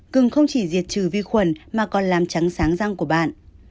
cưng không chỉ diệt trừ vi khuẩn mà còn làm trắng sáng răng của bạn